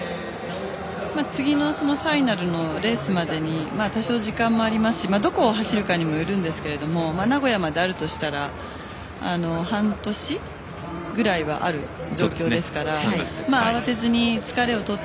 次のファイナルのレースまで多少時間はありますしどこを走るかにもよりますが名古屋まであるとしたら半年ぐらいはある状況ですから慌てずに疲れを取って。